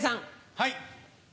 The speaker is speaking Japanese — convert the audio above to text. はい。